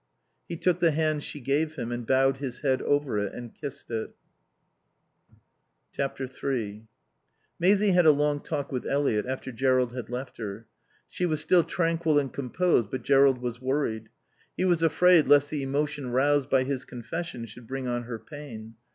He took the hand she gave him and bowed his head over it and kissed it. iii Maisie had a long talk with Eliot after Jerrold had left her. She was still tranquil and composed, but Jerrold was worried. He was afraid lest the emotion roused by his confession should bring on her pain.